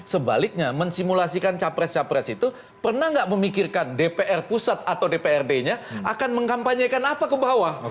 sebaliknya mensimulasikan capres capres itu pernah nggak memikirkan dpr pusat atau dprd nya akan mengkampanyekan apa ke bawah